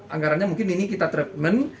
anggarannya mungkin ini kita treatment